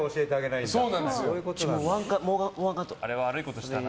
だからあれは悪いことしたな。